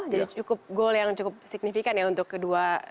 jadi cukup goal yang cukup signifikan ya untuk kedua